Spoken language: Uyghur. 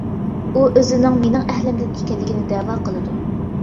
ئۇ ئۆزىنىڭ مېنىڭ ئەھلىمدىن ئىكەنلىكىنى دەۋا قىلىدۇ.